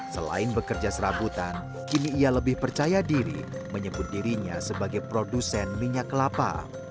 selain bekerja serabutan kini ia lebih percaya diri menyebut dirinya sebagai produsen minyak kelapa